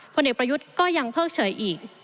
ผลเอกประยุทธ์ก็ยังเพิกเฉยอีก